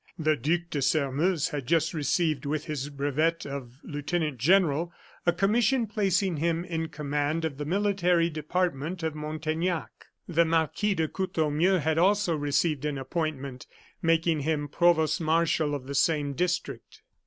The Duc de Sairmeuse had just received, with his brevet of lieutenant general, a commission placing him in command of the military department of Montaignac. The Marquis de Courtornieu had also received an appointment, making him provost marshal of the same district.